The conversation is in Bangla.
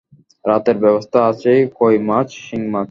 রাতের ব্যবস্থা আছে কইমাছ, শিংমাছ।